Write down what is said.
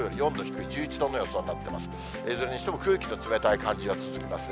いずれにしても空気の冷たい感じが続きますね。